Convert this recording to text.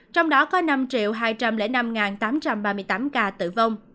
trong đó có năm hai trăm linh năm tám trăm ba mươi tám ca tử vong